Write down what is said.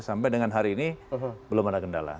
sampai dengan hari ini belum ada kendala